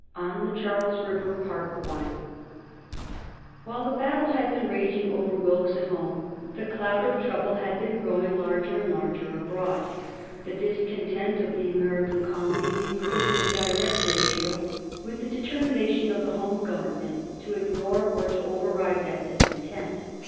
ON THE CHARLES RIVER. [Sidenote: 1765 74 Lord Hillsborough] While the battle had been raging over Wilkes at home, the cloud of trouble had been growing larger and larger abroad. The discontent of the American colonies increased in direct ratio with the determination of the home Government to ignore or to override that discontent.